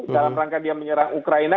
dalam rangka dia menyerang ukraina